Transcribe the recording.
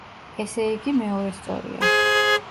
ესე იგი, მეორე სწორია.